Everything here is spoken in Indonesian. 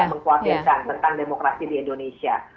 mengkhawatirkan tentang demokrasi di indonesia